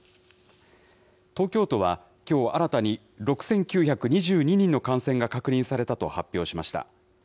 東京都は、きょう新たに６９２２人の感染が確認されたと発表しました。